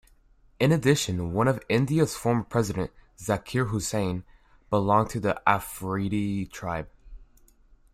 In addition, one of India's former presidents, Zakir Hussain, belonged to the Afridi tribe.